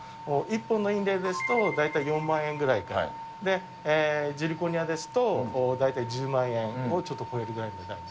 １本のインレーですと、大体４万円ぐらいから、ジルコニアですと大体１０万円をちょっと超えるぐらいの値段。